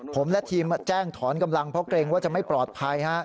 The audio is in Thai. ผมและทีมแจ้งถอนกำลังเพราะเกรงว่าจะไม่ปลอดภัย